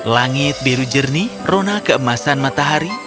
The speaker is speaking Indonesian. langit biru jernih rona keemasan matahari